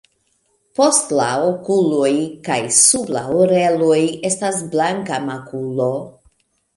Post la okuloj kaj sub la oreloj estas blanka makulo.